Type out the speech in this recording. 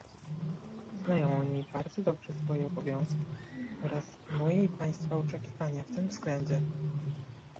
Znają oni bardzo dobrze swoje obowiązki oraz moje i Państwa oczekiwania w tym względzie